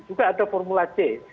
juga ada formula c